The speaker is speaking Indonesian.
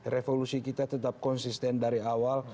revolusi kita tetap konsisten dari awal